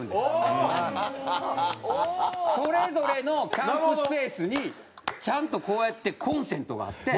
それぞれのキャンプスペースにちゃんとこうやってコンセントがあって。